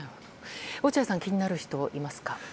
落合さん気になる人いますか？